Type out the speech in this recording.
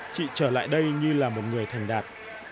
chị trở lại đây như là một người thành đạt